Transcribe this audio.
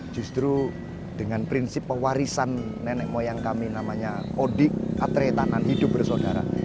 justru dengan prinsip pewarisan nenek moyang kami namanya odik atretanan hidup bersaudara